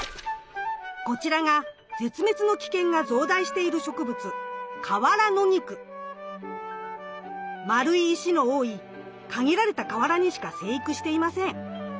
こちらが絶滅の危険が増大している植物丸い石の多い限られた河原にしか生育していません。